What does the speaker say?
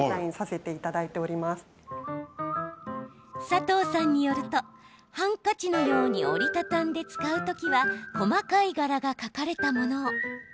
佐藤さんによるとハンカチのように折り畳んで使うときには細かい柄が描かれたものを。